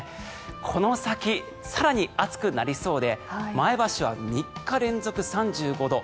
この先、更に暑くなりそうで前橋は３日連続３５度。